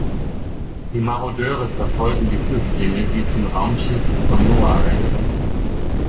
Die Marodeure verfolgen die Flüchtlinge, die zum Raumschiff von Noa rennen.